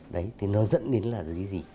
đấy thì nó dẫn đến là gì